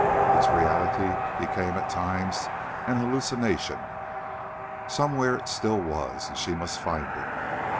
Its reality became, at times, an hallucination. Somewhere it still was, and she must find it.